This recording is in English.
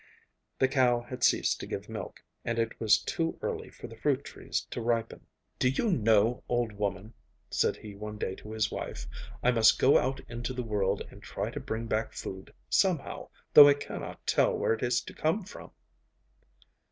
The cow had ceased to give milk, and it was too early for the fruit trees to ripen. 'Do you know, old woman!' said he one day to his wife, 'I must go out into the world and try to bring back food somehow, though I cannot tell where it is to come from.